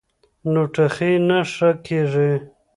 نو ټوخی نۀ ښۀ کيږي -